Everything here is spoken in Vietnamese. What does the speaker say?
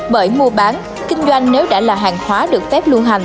bởi mua bán kinh doanh nếu đã là hàng hóa được phép lưu hành